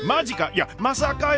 いやまさかやー！